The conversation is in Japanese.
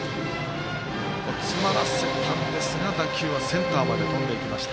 詰まらせたんですが打球はセンターまで飛んでいきました。